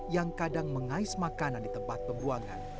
yang kadang mengais makanan di tempat pembuangan